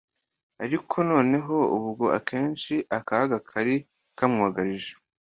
ariko noneho ubwo akenshi akaga kari kamwugarije,